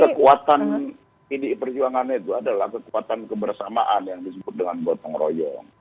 kekuatan pdi perjuangan itu adalah kekuatan kebersamaan yang disebut dengan gotong royong